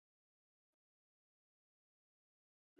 چرګان د افغانستان د پوهنې نصاب کې شامل دي.